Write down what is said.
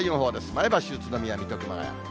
前橋、宇都宮、水戸、熊谷。